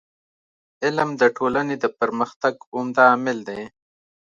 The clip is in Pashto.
علم د ټولني د پرمختګ عمده عامل دی.